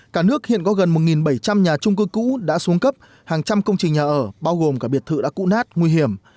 cả nước hiện có gần một bảy trăm linh nhà trung cư cũ đã xuống cấp hàng trăm công trình nhà ở bao gồm cả biệt thự đã cũ nát nguy hiểm